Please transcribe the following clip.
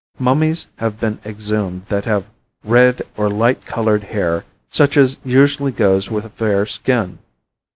Mummies have been exhumed that have red or light colored hair such as usually goes with a fair skin.